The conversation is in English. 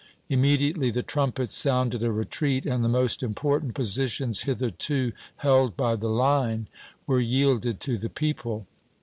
Immediately the trumpets sounded a retreat, and the most important positions hitherto held by the Line were yielded to the people.